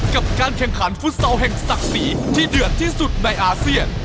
กับการแข่งขันฟุตซอลแห่งศักดิ์ศรีที่เดือดที่สุดในอาเซียน